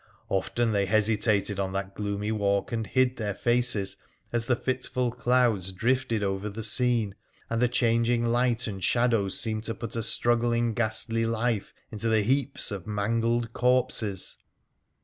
Often they hesitated on that gloomy walk and hid their faces as the fitful clouds drifted over the scene, and the changing light and shadows seemed to put a struggling ghastly life into the heaps of mangled corpses.